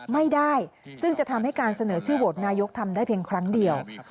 ไม่ได้ซึ่งจะทำให้การเสนอชื่อโหวตนายกทำได้เพียงครั้งเดียว